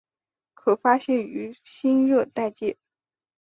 可发现于新热带界。